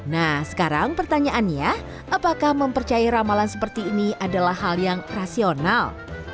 nah sekarang pertanyaannya apakah mempercayai ramalan seperti ini adalah hal yang rasional